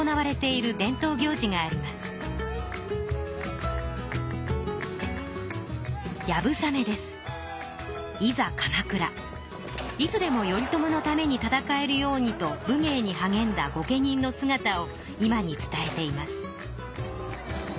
いつでも頼朝のために戦えるようにと武芸にはげんだ御家人のすがたを今に伝えています。